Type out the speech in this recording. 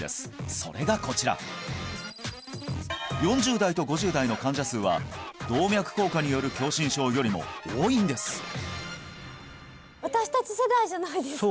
それがこちら４０代と５０代の患者数は動脈硬化による狭心症よりも多いんですそうですね